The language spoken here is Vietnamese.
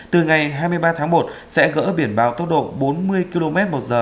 từ ngày hai mươi ba tháng một sẽ gỡ biển báo tốc độ bốn mươi km một giờ